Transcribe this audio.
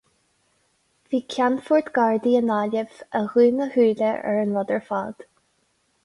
Bhí ceannfort Gardaí i nGaillimh a dhún a shúile ar an rud ar fad.